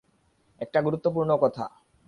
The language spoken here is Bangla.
একটা গুরুত্বপূর্ণ কথা।